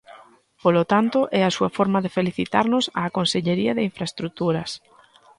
Polo tanto, é a súa forma de felicitarnos á Consellería de Infraestruturas.